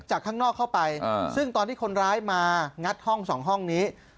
ข้างนอกเข้าไปซึ่งตอนที่คนร้ายมางัดห้อง๒ห้องนี้